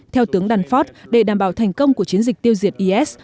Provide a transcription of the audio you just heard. theo tướng dunford để đảm bảo thành công của chiến dịch tiêu diệt is